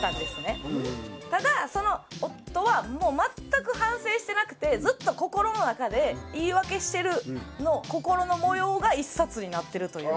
ただその夫はもう全く反省してなくてずっと心の中で言い訳してる心の模様が一冊になってるという。